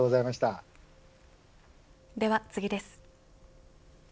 では次です。